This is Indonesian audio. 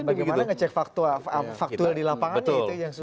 bagaimana ngecek faktual di lapangan itu yang susah